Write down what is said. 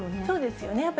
そうですよね。